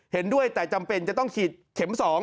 เห็นด้วยแต่จำเป็นจะต้องฉีดเข็ม๒